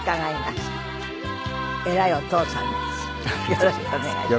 よろしくお願いします。